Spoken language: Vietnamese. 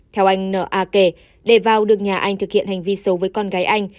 theo anh n a kể để vào được nhà anh thực hiện hành vi xấu với con gái anh